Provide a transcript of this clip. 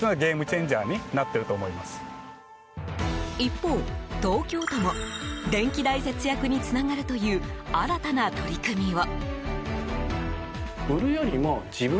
一方、東京都も電気代節約につながるという新たな取り組みを。